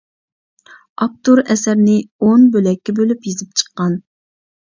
ئاپتور ئەسەرنى ئون بۆلەككە بۆلۈپ يېزىپ چىققان.